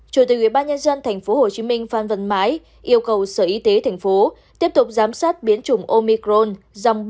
chủ tịch ubnd tp hcm phan vận mái yêu cầu sở y tế tp hcm tiếp tục giám sát biến chủng omicron dòng ba hai